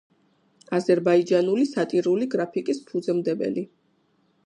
აზერბაიჯანული სატირული გრაფიკის ფუძემდებელი.